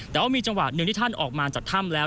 แต่ว่ามีจังหวะหนึ่งที่ท่านออกมาจากถ้ำแล้ว